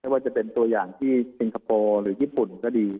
ว่าจะเป็นตัวอย่างที่สิงคโปร์หรือญี่ปุ่นก็ดี